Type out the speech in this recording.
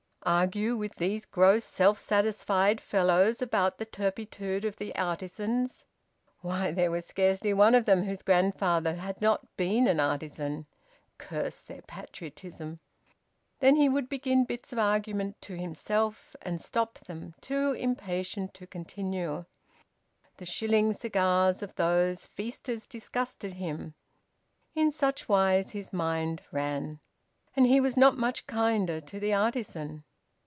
Argue with these gross self satisfied fellows about the turpitude of the artisans! Why, there was scarcely one of them whose grandfather had not been an artisan! Curse their patriotism! Then he would begin bits of argument to himself, and stop them, too impatient to continue... The shilling cigars of those feasters disgusted him... In such wise his mind ran. And he was not much kinder to the artisan.